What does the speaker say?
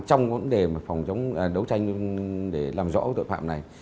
trong vấn đề phòng đấu tranh để làm rõ tội phạm này